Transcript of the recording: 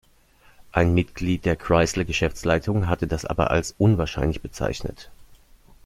Ein Mitglied der Chrysler-Geschäftsleitung hatte das aber als unwahrscheinlich bezeichnet.